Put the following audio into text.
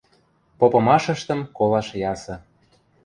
Попымашыштым колаш ясы.